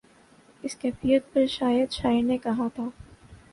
اسی کیفیت پہ شاید شاعر نے کہا تھا۔